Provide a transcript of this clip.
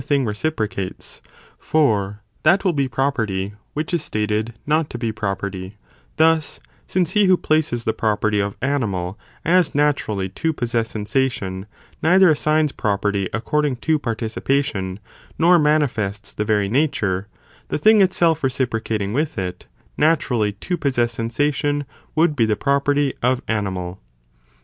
thing recipro cates, for that will be property which is stated not to be property ; thus, since he who places the property of animal, as naturally to possess sensation, neither assigns property ac cording to participation, nor manifests the very nature, the thing itself reciprocating with it, naturally to possess sensation, would be. the property of animal.